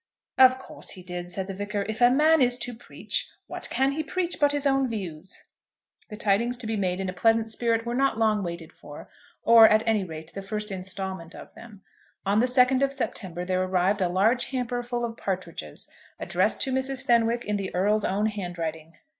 "Of course he did," said the Vicar. "If a man is to preach, what can he preach but his own views?" The tidings to be made in a pleasant spirit were not long waited for, or, at any rate, the first instalment of them. On the 2nd of September there arrived a large hamper full of partridges, addressed to Mrs. Fenwick in the Earl's own handwriting.